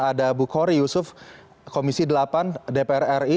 ada bu khori yusuf komisi delapan dpr ri